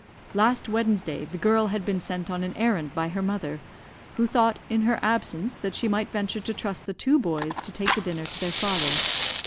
"Last Wednesday the girl had been sent on an errand by her mother, who thought, in her absence, that she might venture to trust the two boys to take the dinner to their father.